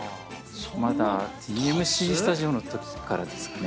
まだＴＭＣスタジオのときからですかね。